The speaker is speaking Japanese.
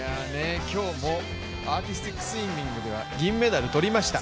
今日もアーティスティックスイミングでは銀メダルを取りました。